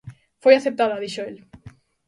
Foi aceptada, dixo el.